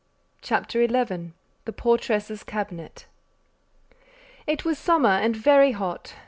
CHAPTER XI. THE PORTRESS'S CABINET. It was summer and very hot.